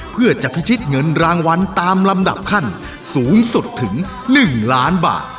เพื่อจะพิชิตเงินรางวัลตามลำดับขั้นสูงสุดถึง๑ล้านบาท